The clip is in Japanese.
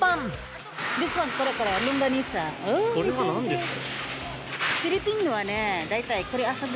これは何ですか？